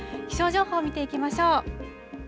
気象情報を見ていきましょう。